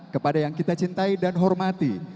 kepada yang kita cintai dan hormati